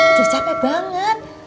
udah capek banget